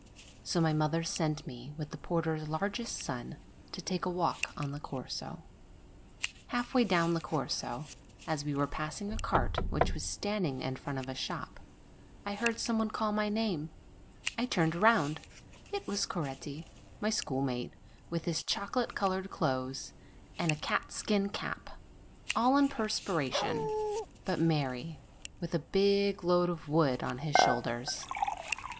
So my mother sent me, with the porter's largest son, to take a walk on the Corso. Half way down the Corso, as we were passing a cart which was standing in front of a shop, I heard some one call me by name : I turned round ; it was Coretti, my schoolmate, with his chocolate colored clothes and catskin cap, all in a per spiration, but merry, with a big load of wood on his shoulders.